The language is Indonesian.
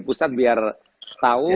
pusat biar tahu